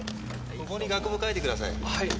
ここに学部を書いてください。